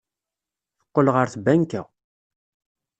Teqqel ɣer tbanka.